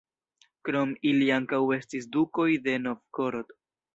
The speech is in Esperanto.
Krom ili ankaŭ estis dukoj de Novgorod.